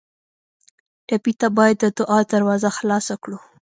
ټپي ته باید د دعا دروازه خلاصه کړو.